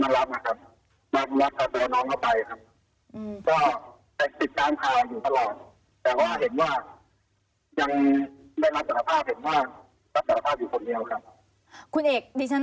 แต่ก็เห็นว่ายังไม่รับศึกภาพเห็นว่ารับศึกภาพอยู่คนเดียวครับ